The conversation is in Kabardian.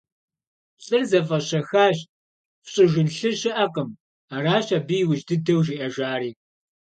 Лӏыр зэфӏэщэхащ, «Фщӏэжын лъы щыӏэкъым», — аращ абы иужь дыдэу жиӏэжари.